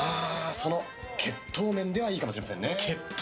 血統面ではいいかもしれませんね。